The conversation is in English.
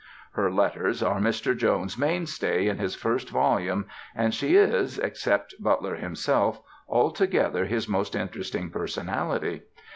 Her letters are Mr. Jones' mainstay in his first volume and she is, except Butler himself, altogether his most interesting personality.